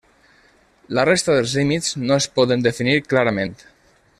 La resta dels límits no es poden definir clarament.